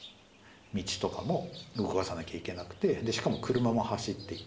道とかも動かさなきゃいけなくてでしかも車も走っていて。